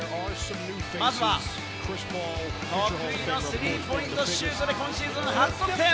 まずは得意のスリーポイントシュートで今シーズン初得点。